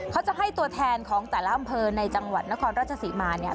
เขาจะให้ตัวแทนของแต่ละอำเภอในจังหวัดนครราชศรีมาเนี่ย